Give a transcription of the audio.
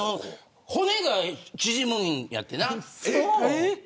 骨が縮むんやってな。